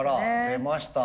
出ました。